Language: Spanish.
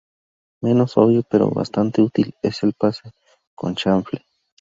Menos obvio pero bastante útil es el pase con chanfle.